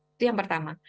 itu yang pertama